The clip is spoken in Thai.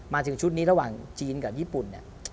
มาถึงชุดนี้ระหว่างจีนกับญี่ปุ่นเนี่ย